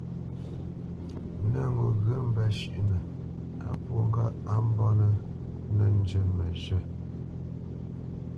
Nə̂t ŋo ŋgyə mbə́ shʉ́ʼnə á pwô ŋgâʼ á mbomə̄ nə́ njə məzhə̂.